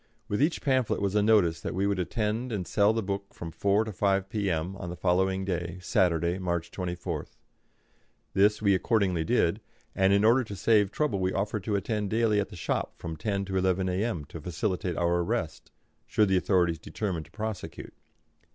With each pamphlet was a notice that we would attend and sell the book from 4 to 5 p.m. on the following day, Saturday, March 24th. This we accordingly did, and in order to save trouble we offered to attend daily at the shop from 10 to 11 a.m. to facilitate our arrest, should the authorities determine to prosecute.